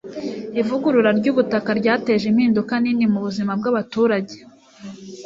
ivugurura ryubutaka ryateje impinduka nini mubuzima bwabaturage